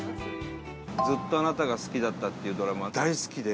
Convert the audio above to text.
『ずっとあなたが好きだった』っていうドラマ、大好きで。